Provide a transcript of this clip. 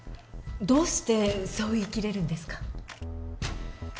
どうしてそう言い切れるんですか？